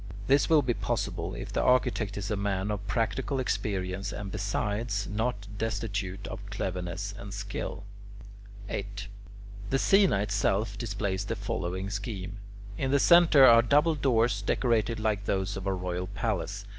This will be possible, if the architect is a man of practical experience and, besides, not destitute of cleverness and skill. 8. The "scaena" itself displays the following scheme. In the centre are double doors decorated like those of a royal palace.